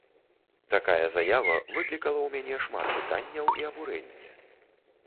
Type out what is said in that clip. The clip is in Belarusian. Такая заява выклікала ў мяне шмат пытанняў і абурэнне.